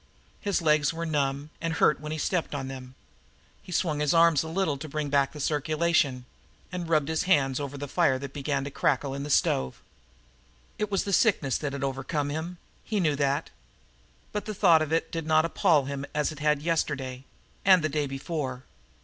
His legs were numb, and hurt when he stepped on them. He swung his arms a little to bring back circulation, and rubbed his hands over the fire that began to crackle in the stove. It was the sickness that had overcome him he knew that. But the thought of it did not appall him as it had yesterday, and the day before.